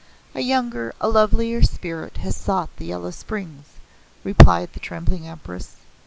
"A younger, a lovelier spirit has sought the Yellow Springs," replied the trembling Empress.